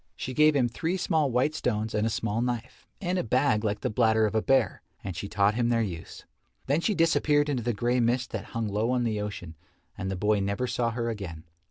She gave him three small white stones and a small knife, and a bag like the bladder of a bear, and she taught him their use. Then she disappeared into the grey mist that hung low on the ocean and the boy never saw her again.